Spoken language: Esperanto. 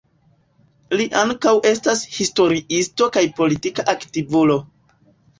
Li ankaŭ estas historiisto kaj politika aktivulo.